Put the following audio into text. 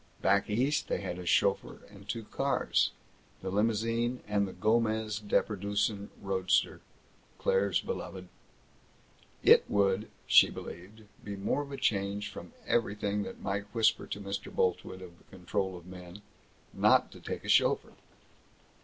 Back East they had a chauffeur and two cars the limousine, and the Gomez Deperdussin roadster, Claire's beloved. It would, she believed, be more of a change from everything that might whisper to Mr. Boltwood of the control of men, not to take a chauffeur.